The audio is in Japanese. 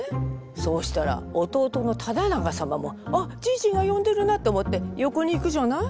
そうしたら弟の忠長様も「あっじいじが呼んでるな」と思って横に行くじゃない？